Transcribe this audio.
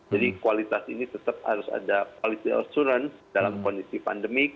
jadi kualitas ini tetap harus ada quality assurance dalam kondisi pandemi